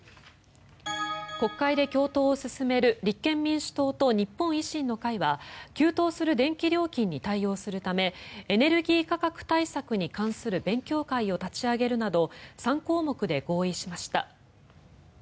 国会で共闘を進める立憲民主党と日本維新の会は急騰する電気料金に対応するためエネルギー価格対策に関する勉強会を立ち上げるなど３項目で合意しました。